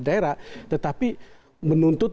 daerah tetapi menuntut